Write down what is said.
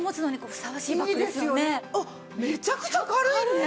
あっめちゃくちゃ軽いね。